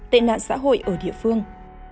tệ nạn xã hội ở địa phương